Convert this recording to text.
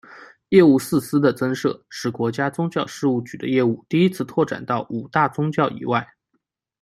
业务四司的增设使国家宗教事务局的业务第一次拓展到五大宗教以外。